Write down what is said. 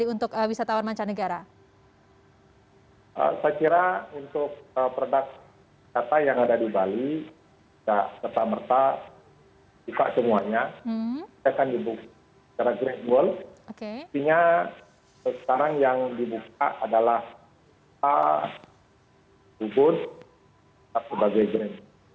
intinya sekarang yang dibuka adalah bubur sebagai grand